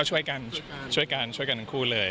ก็ช่วยกันช่วยกันทั้งคู่เลย